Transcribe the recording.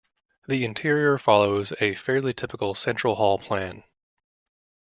The interior follows a fairly typical central hall plan.